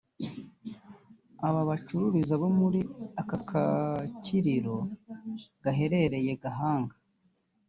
Aba bacururiza bo muri aka gakiriro gaherereye i Gahanga